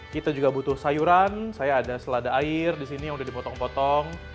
kita juga butuh sayuran saya ada selada air di sini yang udah dipotong potong